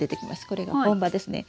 これが本葉ですね。